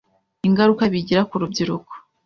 ingaruka bigira ku Rubyiruko.